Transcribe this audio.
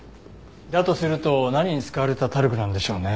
だとすると何に使われたタルクなんでしょうね。